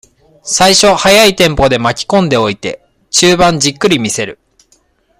最初、速いテンポで巻きこんでおいて、中盤じっくり見せる。